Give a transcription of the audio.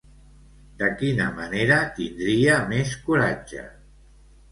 De quina manera tindria més coratge?